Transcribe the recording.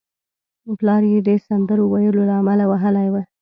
پلار یې د سندرو ویلو له امله وهلی و